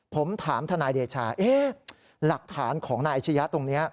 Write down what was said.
ผมถามทนายเดชาหลักฐานของนายอาชียะตรงนี้